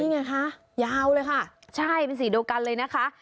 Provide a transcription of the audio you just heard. ไงคะยาวเลยค่ะใช่เป็นสีเดียวกันเลยนะคะ